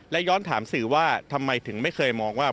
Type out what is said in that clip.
และย้อนถามสื่อว่าทำไมถึงไม่เคยมองว่า